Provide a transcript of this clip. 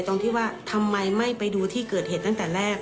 ตรงที่ว่าทำไมไม่ไปดูที่เกิดเหตุตั้งแต่แรก